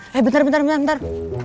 hei bentar bentar bentar